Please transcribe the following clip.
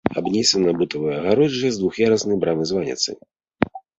Абнесена бутавай агароджай з двух'яруснай брамай-званіцай.